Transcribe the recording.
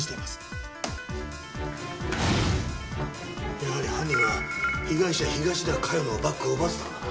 やはり犯人は被害者東田加代のバッグを奪ってたのか。